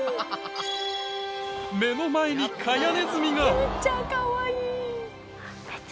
目の前にカヤネズミが！